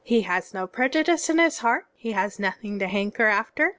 He has no prejudice in his heart, he has nothing to hanker aftei.